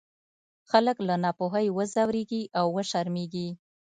خلک له ناپوهۍ وځورېږي او وشرمېږي.